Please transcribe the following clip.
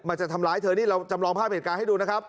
จะทำร้ายเธอนี่เราจำลองภาพเหตุการณ์ให้ดูนะครับ